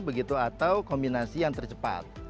begitu atau kombinasi yang tercepat